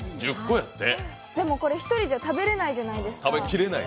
でもこれ、１人じゃ食べれないじゃないですか。